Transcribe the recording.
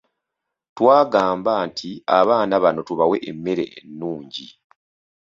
Twagamba nti abaana bano tubawe emmere ennungi.